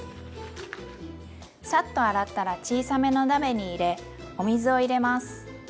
サッと洗ったら小さめの鍋に入れお水を入れます。